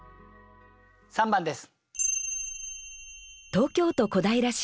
３番です。